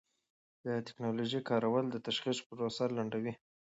د ټېکنالوژۍ کارول د تشخیص پروسه لنډوي.